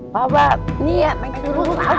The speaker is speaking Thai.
เพราะว่าเนี่ยมันคือรุ่นหลางพู่